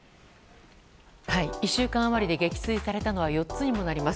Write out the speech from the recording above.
１週間余りで撃墜されたのは４つにもなります。